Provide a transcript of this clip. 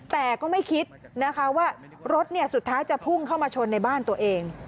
แต่ก็ไม่คิดนะคะว่ารถสุดท้ายจะพุ่งเข้ามาชนในบ้านตัวเอง